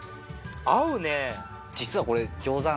合うね！